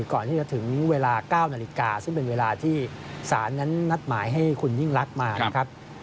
ก่อนที่จะถึงเวลา๙นาฬิกาซึ่งเป็นเวลาที่ศาลนั้นนัดหมายให้คุณยิ่งลักษณ์มานะครับ